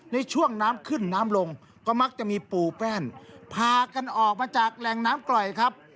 ในช่วงน้ำขึ้นน้ำลงก็มักจะมีปูแป้นพากันออกมาจากแหล่งน้ำกล่อยครับ